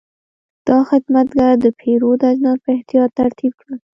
دا خدمتګر د پیرود اجناس په احتیاط ترتیب کړل.